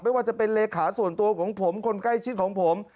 ไม่ว่าจะเป็นเลขาส่วนตัวของผมคนใกล้ชิดของผม